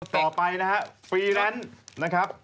ต่อไปนะฮะฟรีแลนซ์นะครับ